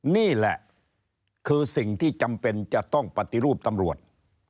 นี่แหละคือสิ่งที่จำเป็นจะต้องปฏิรูปตำรวจ